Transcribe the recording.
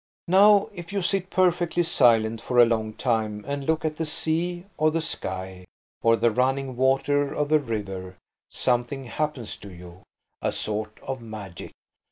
Now, if you sit perfectly silent for a long time and look at the sea, or the sky, or the running water of a river, something happens to you–a sort of magic.